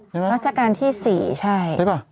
วัดอินทร์ที่๔ใช่